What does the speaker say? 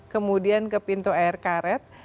kemudian ke pintu air karet